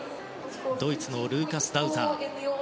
ドイツのルーカス・ダウザー。